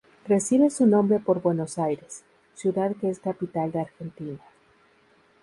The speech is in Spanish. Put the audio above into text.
Recibe su nombre por Buenos Aires, ciudad que es capital de Argentina.